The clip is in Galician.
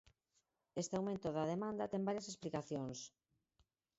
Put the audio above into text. Este aumento da demanda ten varias explicacións.